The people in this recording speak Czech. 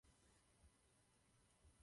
Stal se proto i biskupským notářem.